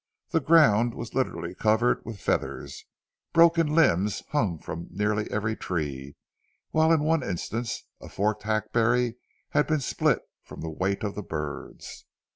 The ground was literally covered with feathers; broken limbs hung from nearly every tree, while in one instance a forked hackberry had split from the weight of the birds.